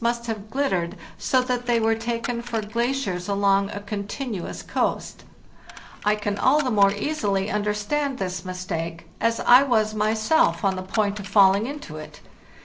FARTHEST NORTH nr oat e) have glittered so that they were taken for glaciers along a continuous coast. I can all the more easily understand this mistake, as I was myself on the point of falling into it.